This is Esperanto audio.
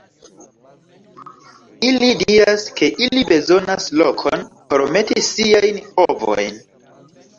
Ili diras ke ili bezonas lokon por meti siajn ovojn.